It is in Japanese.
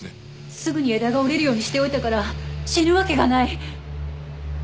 すぐに枝が折れるようにしておいたから死ぬわけがない！